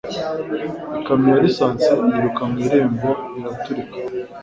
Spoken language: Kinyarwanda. Ikamyo ya lisansi yiruka mu irembo iraturika